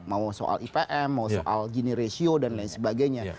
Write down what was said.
mau soal ipm mau soal gini ratio dan lain sebagainya